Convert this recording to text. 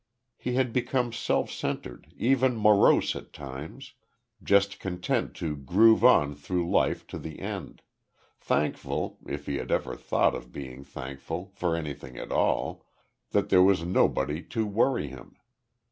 He had become self centred, even morose at times just content to groove on through life to the end; thankful if he ever thought of being thankful for anything at all that there was nobody to worry him.